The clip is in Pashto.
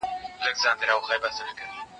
زه اوږده وخت کتابتون ته ځم وم!!